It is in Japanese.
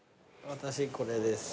私これです。